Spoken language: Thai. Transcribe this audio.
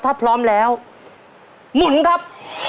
ถ้าพร้อมแล้วหมุนครับ